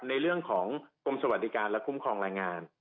ในเรื่องของกรมสวัสดิการและคุ้มครองแรงงาน